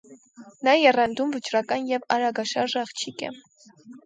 Նա եռանդուն, վճռական և արագաշարժ աղջիկ է։